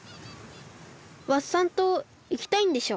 ワッサン島いきたいんでしょ？